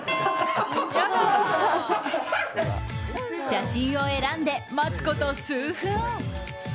写真を選んで待つこと数分。